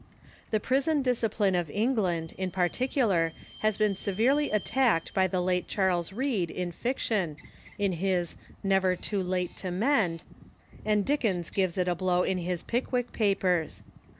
The prison discipline of England, in particular, has been severely attacked by the late Charles Reade in fiction, in his " Never Too Late to Mend," and Dick ens gives it a blow in his " Pickwick Papers."